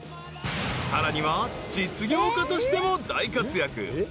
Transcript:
［さらには実業家としても大活躍］